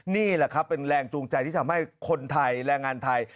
นี่แหละครับเป็นแรงจูงใจที่ทำให้คนไทยแรงงานไทย